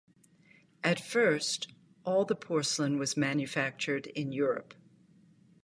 At first all the porcelain was manufactured in Europe.